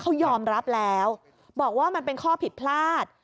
เขายอมรับแล้วบอกว่ามันเป็นข้อผิดพลาด